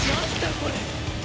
これ！